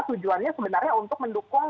tujuannya sebenarnya untuk mendukung